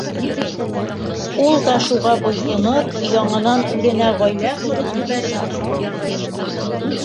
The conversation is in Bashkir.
Ул да шуға буйһонор, яңынан үҙенә ғаилә ҡороп ебәрер, тип уйлағайным.